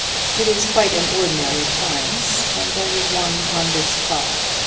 It is quite an ordinary appliance, and there was one on this car.